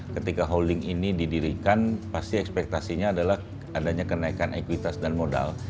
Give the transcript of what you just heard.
ketika holding ini didirikan pasti ekspektasinya adalah adanya kenaikan ekuitas dan modal